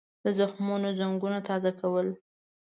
د زخمونو زنګونه تازه کول.